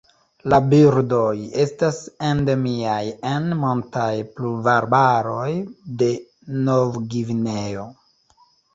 La birdoj estas endemiaj en montaj pluvarbaroj de Novgvineo.